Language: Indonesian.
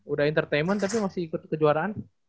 udah entertainment tapi masih ikut kejuaraan